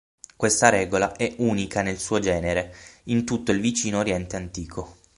Questa regola è unica nel suo genere in tutto il Vicino Oriente antico.